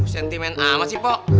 sentimen amat sih pok